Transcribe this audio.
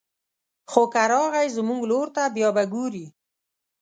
خو که راغی زموږ لور ته بيا به ګوري